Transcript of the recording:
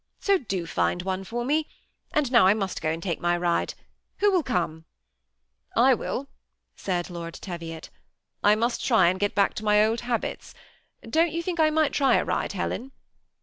So, do find one for me ; and now I must go and take my ride. Who will come ?"" I will," said Lord Teviot. " I must try and get back to my old habits. Don't you think I might try a ride, Helen